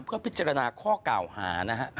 เพื่อพิจารณาข้อเก่าหานะฮะ